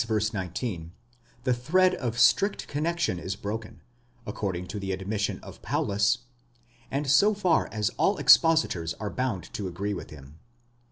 19, the thread of strict connexion is broken, according to the admis sion of Paulus, and so far all expositors are bound to agree with him.